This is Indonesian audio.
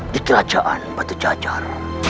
di kerajaan batu jajar